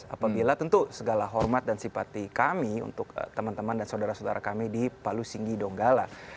apabila tentu segala hormat dan simpati kami untuk teman teman dan saudara saudara kami di palu singgi donggala